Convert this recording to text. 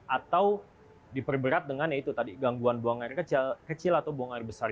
atau diperberat dengan gangguan buang air kecil atau besar